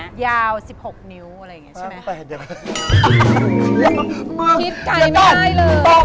ยาว๑๖นิ้วอะไรอย่างนี้ใช่ไหมคิดไกลไม่ได้เลย